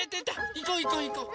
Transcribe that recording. いこういこういこう。